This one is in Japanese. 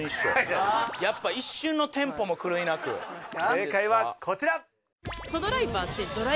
正解はこちら！